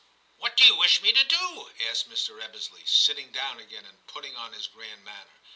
* What do you wish me to do }' asked Mr. Ebbesley, sitting down again and putting on his grand manner.